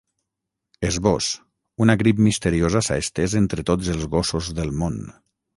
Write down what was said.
Esbós: Una grip misteriosa s’ha estès entre tots els gossos del món.